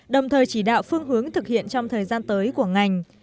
đồng thời chỉ đạo phương hướng thực hiện trong thời gian tới của ngành